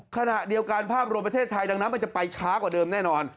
ขณะเดียวกันภาพรวมประเทศไทยดังนั้นมันจะไปช้ากว่าเดิมแน่นอน